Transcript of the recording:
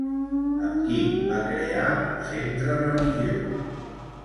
Amb qui va crear un centre religiós?